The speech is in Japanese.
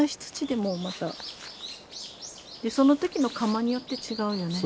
でその時の窯によって違うよね。